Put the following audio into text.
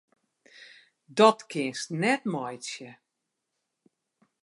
Dat kinst net meitsje!